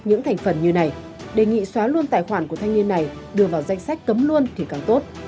những thành phần như này đề nghị xóa luôn tài khoản của thanh niên này đưa vào danh sách cấm luôn thì càng tốt